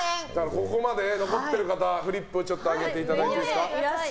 ここまで残っている方フリップ上げていただいて。